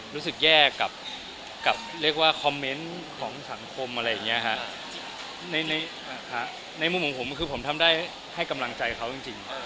รู้สึกแย่กับเรียกว่าคอมเมนต์ของสังคมอะไรอย่างนี้ฮะในมุมของผมคือผมทำได้ให้กำลังใจเขาจริง